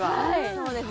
そうです